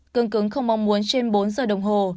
cương cứng không mong muốn trên bốn giờ đồng hồ